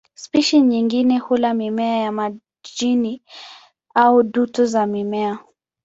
Spishi nyingine hula mimea ya majini au dutu za mimea.